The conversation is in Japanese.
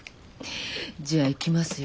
じゃあいきますよ。